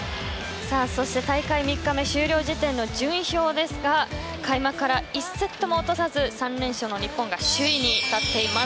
大会３日目終了時点の順位表ですが開幕から１セットも落とさず３連勝の日本が首位になっています。